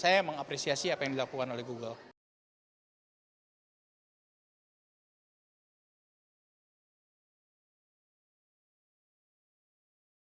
saya mengapresiasi apa yang dilakukan oleh google